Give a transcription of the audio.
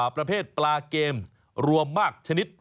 ประเภทปลาเกมรวมมากชนิด